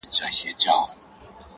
• اول به کښېنوو د علم بې شماره وني..